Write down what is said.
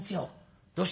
「どうして？」。